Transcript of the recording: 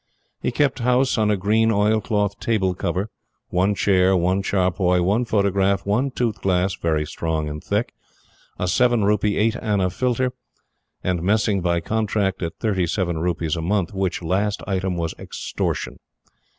He kept house on a green oil cloth table cover, one chair, one charpoy, one photograph, one tooth glass, very strong and thick, a seven rupee eight anna filter, and messing by contract at thirty seven rupees a month. Which last item was extortion.